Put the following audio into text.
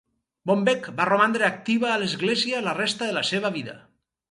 Bombeck va romandre activa a l'església la resta de la seva vida.